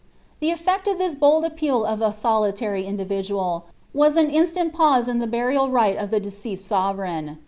''* The eflect of this bold appeal of a solitary individual, was an instant giose in the burial rite of the deceased sovereign.